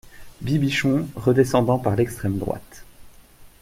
Bibichon, redescendant par l'extrême droite.